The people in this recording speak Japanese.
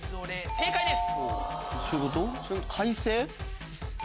正解です。